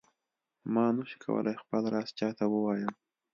ما نه شو کولای خپل راز چاته ووایم.